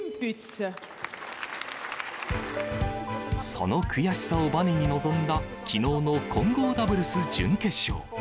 その悔しさをばねに臨んだきのうの混合ダブルス準決勝。